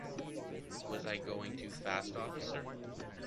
Was I going too fast, Officer?